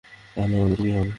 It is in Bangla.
তাহলে আমাদের কী হবে?